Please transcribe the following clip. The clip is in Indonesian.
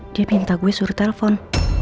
dia minta gue suruh telpon